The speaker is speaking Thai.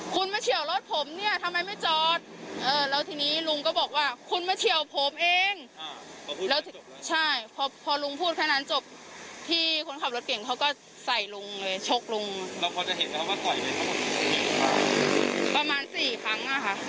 คุณมาเฉี่ยวรถผมเนี่ยทำไมไม่จอดแล้วทีนี้ลุงก็บอกว่าคุณมาเฉี่ยวผมเองแล้วใช่พอพอลุงพูดแค่นั้นจบที่คนขับรถเก่งเขาก็ใส่ลุงเลยชกลุง